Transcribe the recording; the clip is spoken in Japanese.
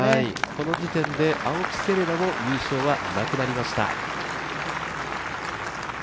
この時点で青木瀬令奈の優勝はなくなりました。